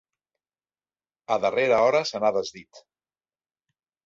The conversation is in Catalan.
A darrera hora se n'ha desdit.